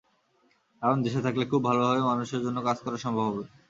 কারণ, দেশে থাকলে খুব ভালোভাবে মানুষের জন্য কাজ করা সম্ভব হবে।